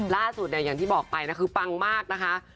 ล่าสุดเนี่ยอย่างที่บอกไปนะคือปังมากนะคะ